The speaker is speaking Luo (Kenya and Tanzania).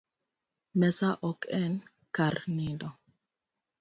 Mesa ok en kar nindo